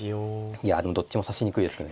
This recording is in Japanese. いやでもどっちも指しにくいですけどね。